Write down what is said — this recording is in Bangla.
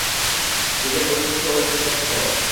নিজের ঐতিহ্য ও ইজ্জত রক্ষা কর।